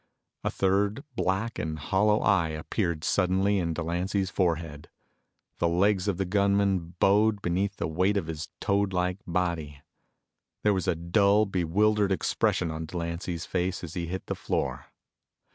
A third black and hollow eye appeared suddenly in Delancy's forehead. The legs of the gunman bowed beneath the weight of his toadlike body. There was a dull, bewildered expression on Delancy's face as he hit the floor.